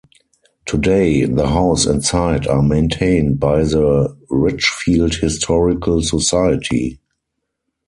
Today, the house and site are maintained by the Richfield Historical Society.